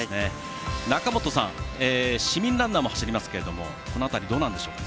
中本さん市民ランナーも走りますけれどもこの辺りどうなんでしょうか？